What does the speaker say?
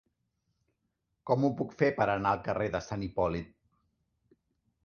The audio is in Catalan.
Com ho puc fer per anar al carrer de Sant Hipòlit?